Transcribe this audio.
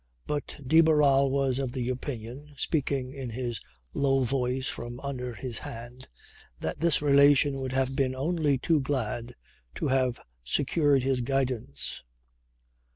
But de Barral was of the opinion, speaking in his low voice from under his hand, that this relation would have been only too glad to have secured his guidance.